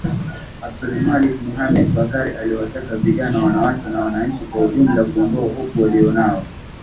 Abdulmalik Mohamed Bakar aliwataka vijana wanawake na wananchi kwa ujumla kuondoa hofu waliyonayo